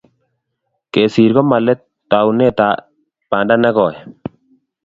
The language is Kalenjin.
Kesir ko ma let, taunetap panda ne koi